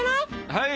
はい。